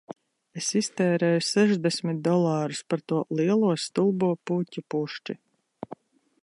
Es iztērēju sešdesmit dolārus par to lielo stulbo puķu pušķi